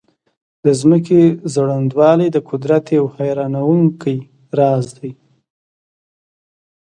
د ځمکې ځوړندوالی د قدرت یو حیرانونکی راز دی.